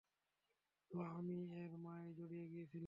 তো, আমি এর মায়ায় জড়িয়ে গিয়েছিলাম।